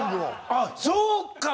あっそうか！